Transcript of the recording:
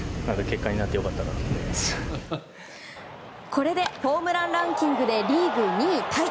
これでホームランランキングでリーグ２位タイ。